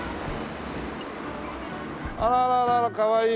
あらあらあらかわいい。